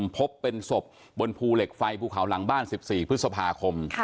พบเป็นศพบนภูเหล็กไฟภูเขาหลังบ้าน๑๔พฤษภาคม